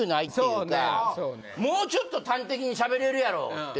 もうちょっと端的に喋れるやろって